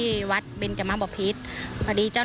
ผูกพันธุ์แบบพูดไม่ออก